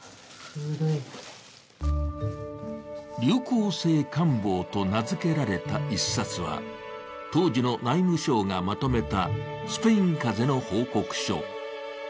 「流行性感冒」と名づけられた１冊は、当時の内務省がまとめたスペイン風邪の報告書。